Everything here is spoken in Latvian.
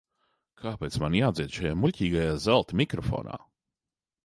Kāpēc man jādzied šajā muļķīgajā zelta mikrofonā?